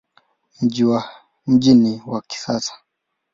Mji ni wa kisasa.